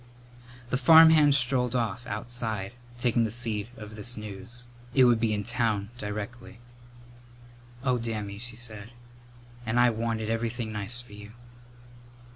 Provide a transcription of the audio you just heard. The farmhand strolled off, outside, taking the seed of this news. It would be in town directly. "Oh, Dammy," she said, "and I wanted everything nice for you!"